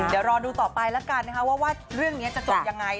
เดี๋ยวรอดูต่อไปแล้วกันนะคะว่าเรื่องนี้จะจบยังไง